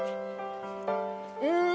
うん！